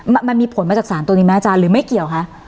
มันมีผลมาจากสารตัวนี้ไหมอาจารย์หรือไม่เกี่ยวคะ